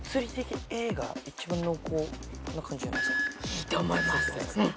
いいと思います。